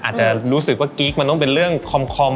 อาจจะรู้สึกว่ากิ๊กมันต้องเป็นเรื่องคอม